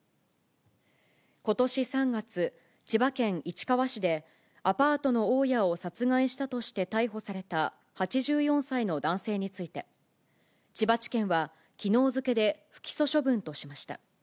ことし３月、千葉県市川市で、アパートの大家を殺害したとして逮捕された８４歳の男性について、千葉地検はきのう付で不起訴処分としました。